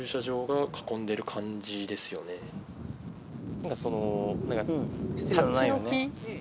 何かその。